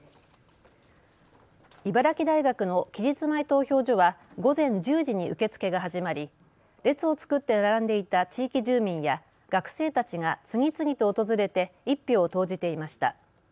茨城大学の期日前投票所は午前１０時に受け付けが始まり列を作って並んでいた地域住民や学生たちが次々と訪れて１票を投じていました。